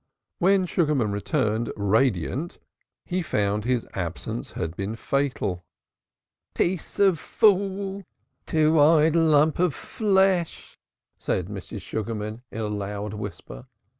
When Sugarman returned, radiant, he found his absence had been fatal. "Piece of fool! Two eyed lump of flesh," said Mrs. Sugarman in a loud whisper.